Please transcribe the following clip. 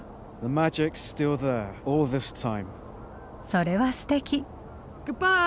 それはすてき。